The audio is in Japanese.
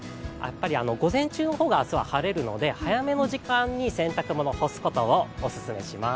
午前中の方が明日は晴れるので、早めの時間に洗濯物を干すことをお勧めします。